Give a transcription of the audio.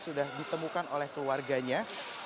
sudah ditemukan oleh keluarganya